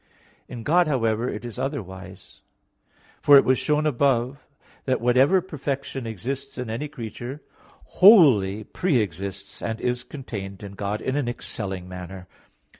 In God, however, it is otherwise. For it was shown above (Q. 4, A. 2) that whatever perfection exists in any creature, wholly pre exists and is contained in God in an excelling manner.